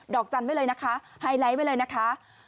อกจันทร์ไว้เลยนะคะไฮไลท์ไว้เลยนะคะ